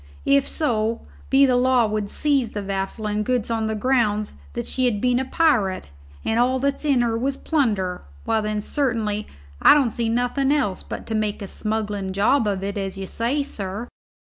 If so be the law would seize the vessel and goods on the grounds that she had been a pirate and all that's in her was plunder, why, then, certainly, I don't see nothin' else but to make a smuggling job of it, as you say, sir."